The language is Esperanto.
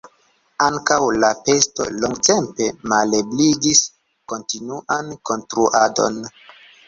Ankaŭ la pesto longtempe malebligis kontinuan konstruadon.